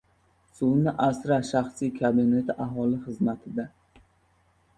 “Suvni Asra” shaxsiy kabineti aholi xizmatida